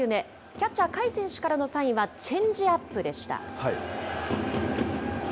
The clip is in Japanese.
キャッチャー、甲斐選手からのサインはチェンジアップでした。